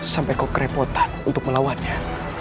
sampai kau kerepotan untuk melawannya